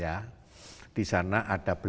pada saat ini